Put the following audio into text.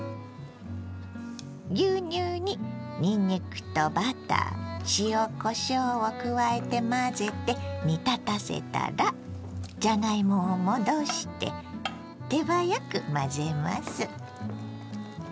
牛乳ににんにくとバター塩こしょうを加えて混ぜて煮立たせたらじゃがいもを戻して手早く混ぜます。